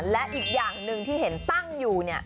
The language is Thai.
และอีกอย่างหนึ่งที่เห็นตั้งอยู่